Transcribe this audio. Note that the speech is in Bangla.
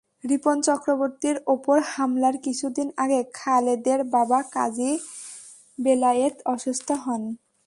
রিপন চক্রবর্তীর ওপর হামলার কিছুদিন আগে খালেদের বাবা কাজী বেলায়েত অসুস্থ হন।